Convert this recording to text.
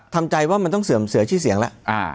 ทำใจว่ามันต้องเสื่อชี่เสียงละ